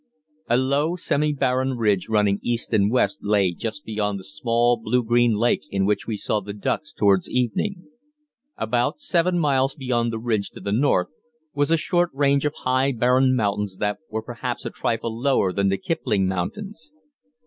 A low, semi barren ridge running east and west lay just beyond the small blue green lake in which we saw the ducks towards evening. About seven miles beyond the ridge to the north was a short range of high, barren mountains that were perhaps a trifle lower than the Kipling Mountains.